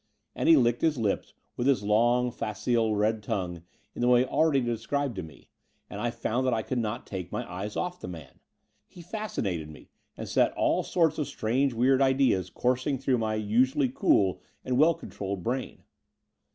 And he licked his lips with his long, facile red tongue in the way already described to me: and I found that I could not take my eyes off the man. He fascinated me and set all sorts of strange, weird ideas coursing through my usually cool and well controlled brain.